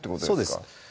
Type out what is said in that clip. そうです